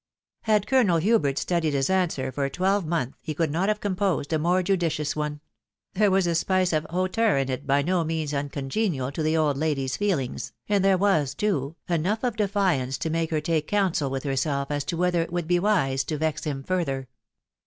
Had Colonel Hubert studied his answer for a twelvemonth, he could not have composed a more judicious one : there was a spice of hauteur in it by no means uncongenial to the old lady's feelings ; and there was, too, enough of defiance to make her take counsel with herself as to whether it would be wise to vex him further.